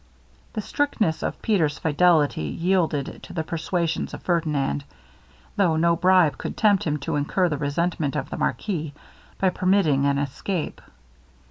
The strictness of Peter's fidelity yielded to the persuasions of Ferdinand, though no bribe could tempt him to incur the resentment of the marquis, by permitting an escape.